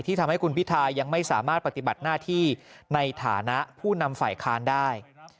ทำให้คุณพิทายังไม่สามารถปฏิบัติหน้าที่ในฐานะผู้นำฝ่ายค้านได้